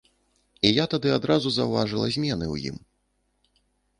І я тады адразу заўважыла змены ў ім.